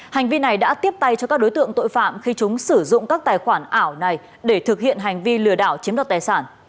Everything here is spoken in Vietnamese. hành vi này đã tiếp tay cho các đối tượng tội phạm khi chúng sử dụng các tài khoản ảo này để thực hiện hành vi lừa đảo chiếm đoạt tài sản